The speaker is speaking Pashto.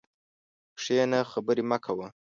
کښېنه خبري مه کوه!